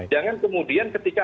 jangan kemudian ketika